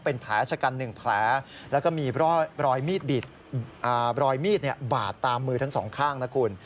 เป็นแผลชะกัน๑แผลแล้วก็มีรอยมีดบาดตามมือทั้งสองข้างนะคุณ